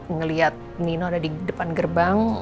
ngelihat nino ada di depan gerbang